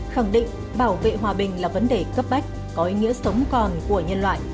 khẳng định bảo vệ hòa bình là vấn đề cấp bách có ý nghĩa sống còn của nhân loại